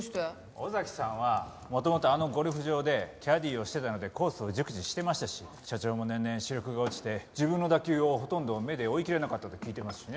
尾崎さんは元々あのゴルフ場でキャディーをしてたのでコースを熟知してましたし社長も年々視力が落ちて自分の打球をほとんど目で追いきれなかったと聞いてますしね。